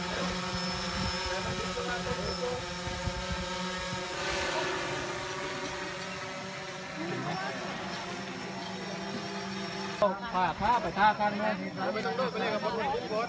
กลับมาจากทะหรือเยอมไปสร้างโลกสัตว์ภาพเที่ยว